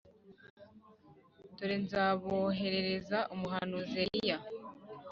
“Dore nzaboherereza umuhanuzi Eliya